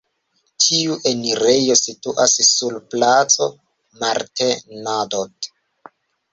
Tiu enirejo situas sur Placo Martin-Nadaud.